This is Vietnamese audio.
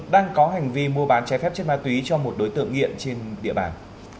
đang có hành vi mua bán trái phép chất ma túy cho một đối tượng nghiện trên địa bàn